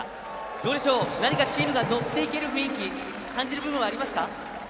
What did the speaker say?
どうでしょう、何かチームが乗っていける雰囲気感じる部分はありますか？